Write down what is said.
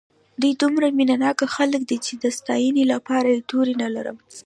دوی دومره مینه ناک خلک دي چې د ستاینې لپاره یې توري نه لرم.